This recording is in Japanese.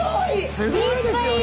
すごいですよね。